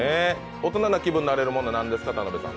大人な気分になれるものは何ですか？